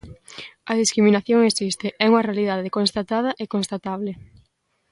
A discriminación existe, é unha realidade constatada e constatable.